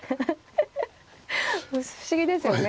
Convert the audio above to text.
不思議ですよね。